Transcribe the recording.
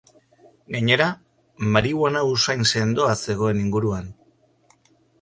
Gainera, marihuana usain sendoa zegoen inguruan.